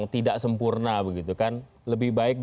terima kasih pak